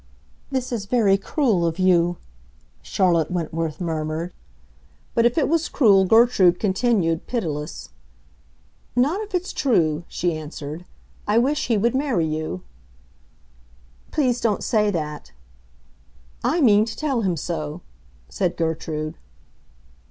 "This is very cruel of you!" Charlotte Wentworth murmured. But if it was cruel Gertrude continued pitiless. "Not if it's true," she answered. "I wish he would marry you." "Please don't say that." "I mean to tell him so!" said Gertrude.